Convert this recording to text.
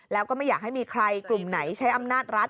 แล้วก็ไม่อยากให้มีใครกลุ่มไหนใช้อำนาจรัฐ